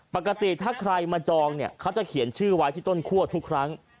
ปกติถ้าใครมาจองเนี่ยเขาจะเขียนชื่อไว้ที่ต้นคั่วทุกครั้ง